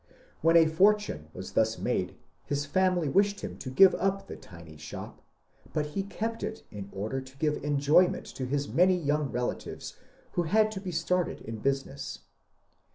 When a fortune was thus made his family wished him to give up the tiny shop, but he kept it in order to give employment to his many young relatives who had to be started in business.